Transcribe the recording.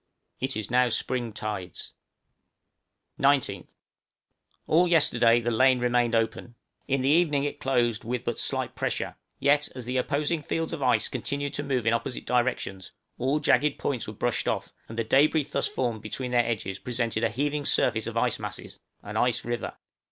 It is now spring tides. 19th. All yesterday the lane remained open; in the evening it closed with but slight pressure; yet as the opposing fields of ice continued to move in opposite directions, all jagged points were brushed off, and the débris thus formed between their edges presented a heaving surface of ice masses, an ice river.